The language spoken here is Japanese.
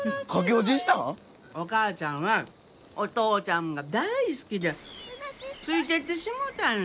お母ちゃんはお父ちゃんが大好きでついていってしもうたんよ。